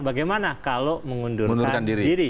bagaimana kalau mengundurkan diri